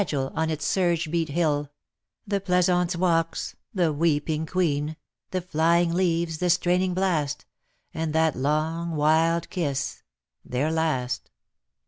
Tyntagel, on its surge beat hill, The pleasaunce walks, the weeping queen, The flying leaves, the straining blast, And that long wild kiss — their last.'